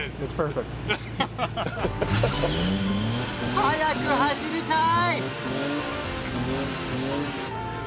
早く走りたい！